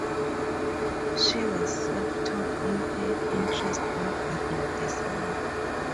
She was self taught in her interest in garden design.